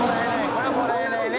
これはもらえないね